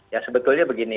ya sebetulnya begini